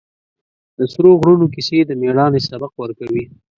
د سرو غرونو کیسې د مېړانې سبق ورکوي.